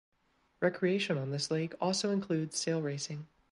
Recreation on this lake also includes sail racing.